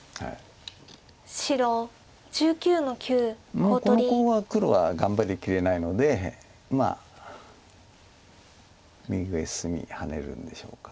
もうこのコウは黒は頑張りきれないのでまあ右上隅ハネるんでしょうか。